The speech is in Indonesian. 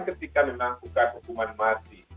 ketika menanggungkan hukuman mati